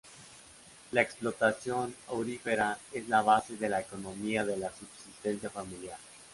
La explotación aurífera es la base de la economía de la subsistencia familiar.